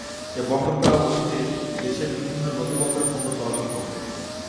এই বন্দর দ্বারা অতীতে দেশের বিভিন্ন নদী বন্দরে পণ্য চলাচল করত।